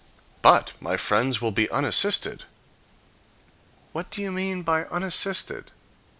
"But my friends will be unassisted." What do you mean by unassisted?